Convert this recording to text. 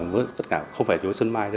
và tất cả không phải chỉ với xuân mai đâu